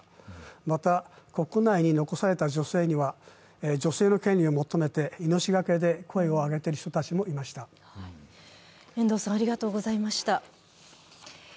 また、国内に残された女性には女性の権利を求めて命がけで声を上げている人たちもいました。